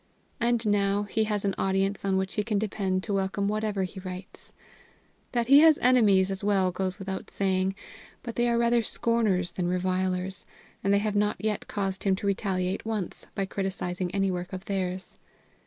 And now he has an audience on which he can depend to welcome whatever he writes. That he has enemies as well goes without saying, but they are rather scorners than revilers, and they have not yet caused him to retaliate once by criticising any work of theirs.